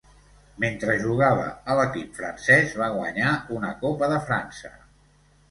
Mentre jugava a l'equip francès va guanyar una Copa de França.